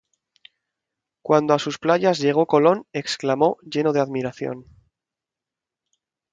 Cuando a sus playas llegó Colón exclamó, lleno de admiración: